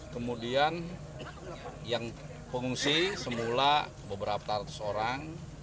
kemudian yang pengungsi semula beberapa ratus orang